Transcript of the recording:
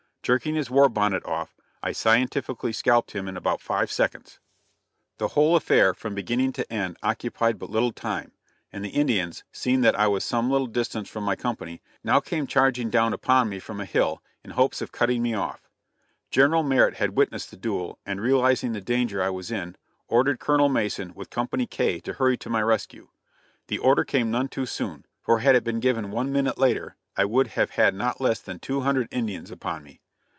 Jerking his war bonnet off, I scientifically scalped him in about five seconds. The whole affair from beginning to end occupied but little time, and the Indians, seeing that I was some little distance from my company, now came charging down upon me from a hill, in hopes of cutting me off. General Merritt had witnessed the duel, and realizing the danger I was in, ordered Colonel Mason with Company K to hurry to my rescue. The order came none too soon, for had it been given one minute later I would have had not less than two hundred Indians upon me.